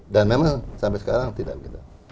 dan memang sampai sekarang tidak begitu